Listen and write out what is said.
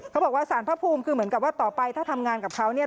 เขาบอกว่าสารพระภูมิคือเหมือนกับว่าต่อไปถ้าทำงานกับเขาเนี่ย